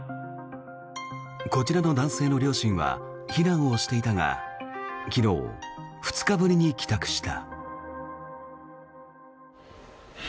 こちらの男性の両親は避難をしていたが昨日、２日ぶりに帰宅した。